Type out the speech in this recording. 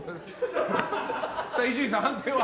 伊集院さん、判定は。